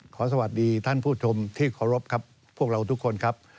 สวัสดีท่านผู้ชมที่เคารพครับพวกเราทุกคนครับ